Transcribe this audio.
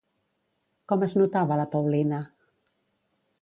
Com es notava la Paulina?